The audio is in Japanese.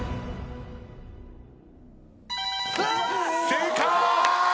正解！